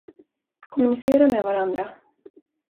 Kommunicera med varandra.